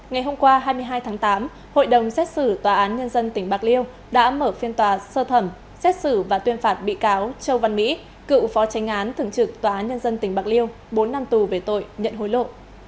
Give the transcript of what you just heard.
ngày hôm qua hai mươi hai tháng tám hội đồng xét xử tòa án nhân dân tỉnh bạc liêu đã mở phiên tòa sơ thẩm xét xử và tuyên phạt bị cáo châu văn mỹ cựu phó tránh án thường trực tòa án nhân dân tỉnh bạc liêu bốn năm tù về tội nhận hối lộ